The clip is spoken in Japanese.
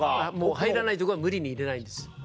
入らないとこは無理に入れないんです。